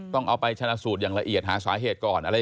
ต้องเอาไปชนะสูตรอย่างละเอียดหาสาเหตุก่อนอะไร